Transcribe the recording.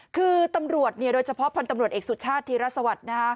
คือตำรวจโดยเฉพาะพันธ์ตำรวจเอกสุชาติธีรสวัสดิ์